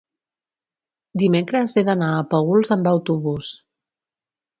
dimecres he d'anar a Paüls amb autobús.